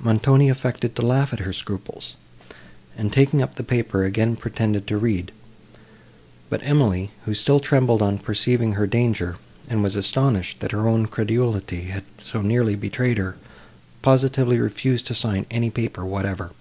Montoni affected to laugh at her scruples, and, taking up the paper, again pretended to read; but Emily, who still trembled on perceiving her danger, and was astonished, that her own credulity had so nearly betrayed her, positively refused to sign any paper whatever.